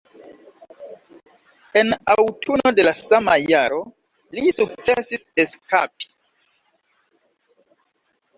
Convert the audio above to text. En aŭtuno de la sama jaro, li sukcesis eskapi.